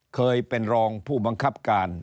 เคยเป็นรองผู้บังคับการ